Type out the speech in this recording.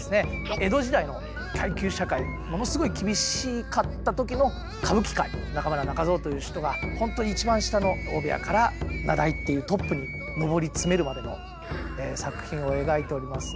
江戸時代の階級社会ものすごい厳しかったときの歌舞伎界中村仲蔵という人がほんと一番下の大部屋から名題っていうトップにのぼり詰めるまでの作品を描いておりますので。